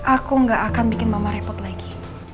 aku gak akan bikin mama repot lagi